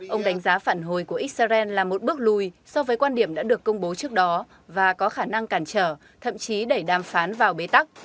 ông đánh giá phản hồi của israel là một bước lùi so với quan điểm đã được công bố trước đó và có khả năng cản trở thậm chí đẩy đàm phán vào bế tắc